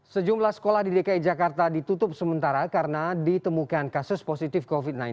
sejumlah sekolah di dki jakarta ditutup sementara karena ditemukan kasus positif covid sembilan belas